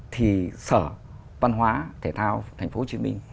thì sở văn hóa thể thao tp hcm